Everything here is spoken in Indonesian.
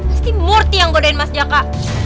pasti murty yang godain mas jaka